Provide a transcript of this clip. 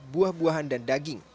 buah buahan dan daging